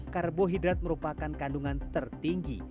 karbohidrat merupakan kandungan tertinggi